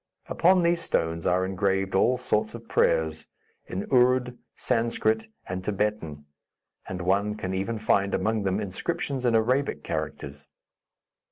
Upon these stones are engraved all sorts of prayers, in Ourd, Sanscrit and Thibetan, and one can even find among them inscriptions in Arabic characters.